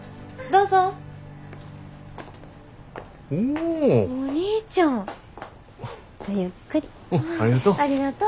うんありがとう。